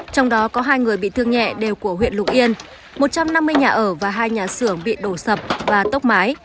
trong đó có hai người bị thương nhẹ đều của huyện lục yên một trăm năm mươi nhà ở và hai nhà xưởng bị đổ sập và tốc mái